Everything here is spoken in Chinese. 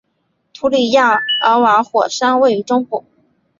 图里亚尔瓦火山位于中部。